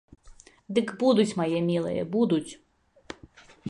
Дык будуць, мае мілыя, будуць.